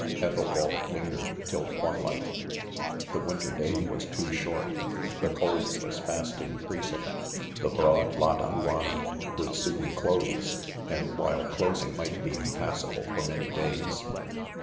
. Ethelwald lin gered till twilight. The winter day was too short ; the cold was fast increasing j the broad Ladaiianna would soon close ; and: while clos ing might be impassable for many days.